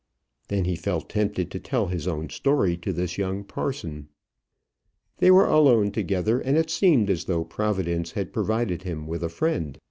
Then he felt tempted to tell his own story to this young parson. They were alone together, and it seemed as though Providence had provided him with a friend.